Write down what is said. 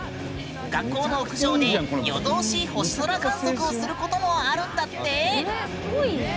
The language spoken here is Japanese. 学校の屋上で夜通し星空観測をすることもあるんだって！